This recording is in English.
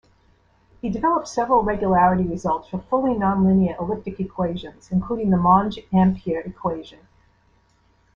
He developed several regularity results for fully nonlinear elliptic equations including the Monge-Ampere equation.